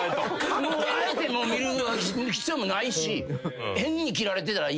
あえて見る必要もないし変に切られてたら嫌やし。